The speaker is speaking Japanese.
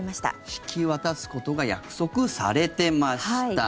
引き渡すことが約束されていました。